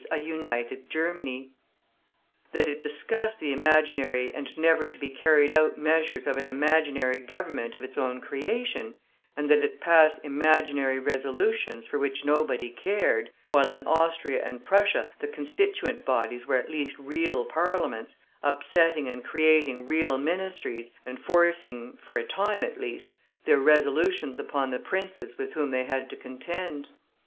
a United Germany; that it discussed the imaginary and never to be carried out measures of an imaginary government of its own creation, and that it passed imaginary resolutions for which nobody cared; while in Austria and Prussia the constituent bodies were at least real parliaments, upsetting and creating real ministries, and forcing, for a time at least, their resolutions upon the princes with whom they had to contend.